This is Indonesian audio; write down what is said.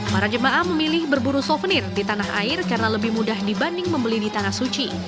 para jemaah memilih berburu souvenir di tanah air karena lebih mudah dibanding membeli di tanah suci